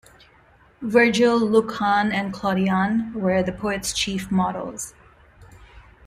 Virgil, Lucan, and Claudian were the poet's chief models.